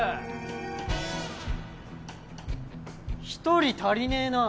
１人足りねえな。